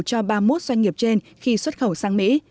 cho ba mươi một doanh nghiệp trên khi xuất khẩu sang mỹ